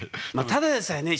ただでさえね